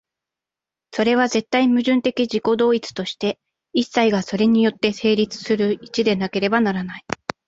それは絶対矛盾的自己同一として、一切がそれによって成立する一でなければならない。